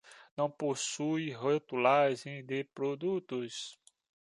Não possui rotulagem de produtos.